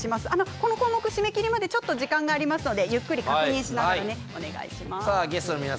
この項目締め切りまで時間がありますので確認しながらお願いします。